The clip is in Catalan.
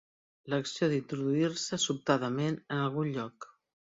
L'acció d'introduir-se, sobtadament, en algun lloc.